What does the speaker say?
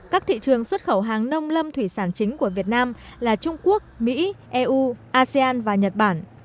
các thị trường xuất khẩu hàng nông lâm thủy sản chính của việt nam là trung quốc mỹ eu asean và nhật bản